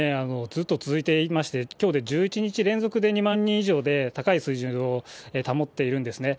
ずっと続いていまして、きょうで１１日連続で２万人以上で、高い水準を保っているんですね。